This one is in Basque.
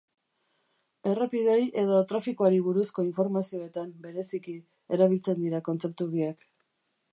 Errepideei edo trafikoari buruzko informazioetan, bereziki, erabiltzen dira kontzeptu biak.